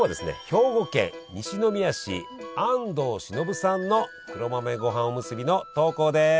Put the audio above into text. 兵庫県西宮市安藤忍さんの黒豆ごはんおむすびの投稿です。